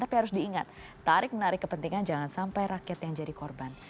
tapi harus diingat tarik menarik kepentingan jangan sampai rakyat yang jadi korban